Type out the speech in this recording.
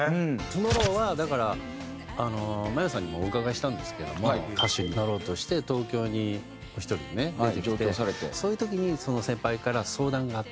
『ＴＯＭＯＲＲＯＷ』はだから真夜さんにもお伺いしたんですけども歌手になろうとして東京に１人でね出てきてそういう時に先輩から相談があって。